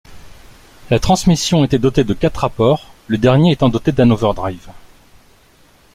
La transmission était dotée de quatre rapports, le dernier étant doté d'un overdrive.